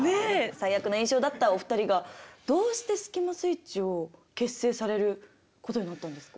最悪の印象だったお二人がどうしてスキマスイッチを結成されることになったんですか？